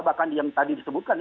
bahkan yang tadi disebutkan